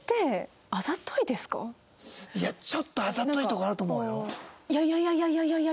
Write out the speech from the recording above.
いやちょっとあざといとこあると思うよ。